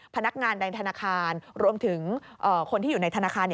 พนักงานในธนาคารรวมถึงคนที่อยู่ในธนาคาร